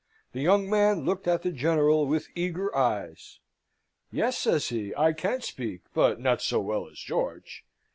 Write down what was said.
The young man looked at the General with eager eyes. "Yes," says he, "I can speak, but not so well as George."